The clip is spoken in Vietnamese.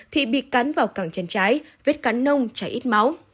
thì bị cắn vào càng chân trái vết cắn nông chảy ít máu